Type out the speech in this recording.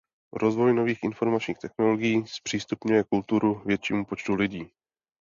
Rozvoj nových informačních technologií zpřístupňuje kulturu většímu počtu lidí.